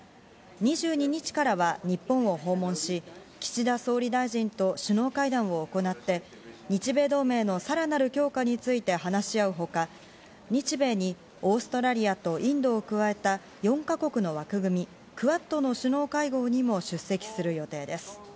２２日からは日本を訪問し、岸田総理大臣と首脳会談を行って日米同盟のさらなる強化について話し合うほか、日米にオーストラリアとインドを加えた４か国の枠組み、クアッドの首脳会合にも出席する予定です。